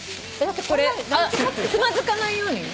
つまずかないようにね。